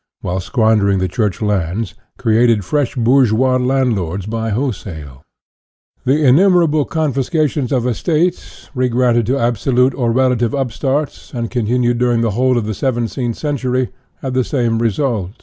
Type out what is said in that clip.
while squandering the Church lands, created fresh bourgeois landlords by wholesale; the innumera ble confiscations of estates, regranted to absolute or relative upstarts, and continued during the whole of the seventeenth century, had the same result.